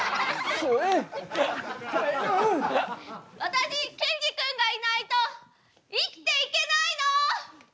私ケンジ君がいないと生きていけないの！